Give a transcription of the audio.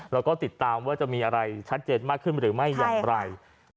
แล้วก็ติดตามว่าจะมีอะไรชัดเจนมากขึ้นหรือไม่อย่างไร